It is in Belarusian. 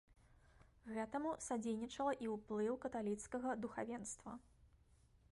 Гэтаму садзейнічала і ўплыў каталіцкага духавенства.